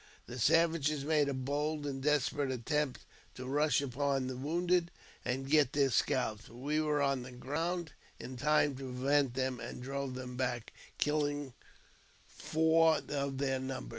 Thj savages made a bold and desperate attempt to rush upon th^ wounded men and get their scalps, but we were on the groun< in time to prevent them, and drove them back, killing four their number.